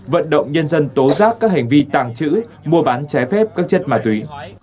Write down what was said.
vận động nhân dân tố giác các hành vi tàng trữ mua bán trái phép các chất ma túy